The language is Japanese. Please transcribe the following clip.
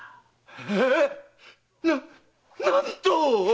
ええっ⁉ななんと‼